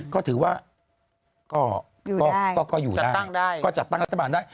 ก็ถือว่าก็อยู่ได้ก็จัดตั้งรัฐบาลได้